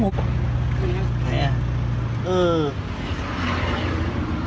อือ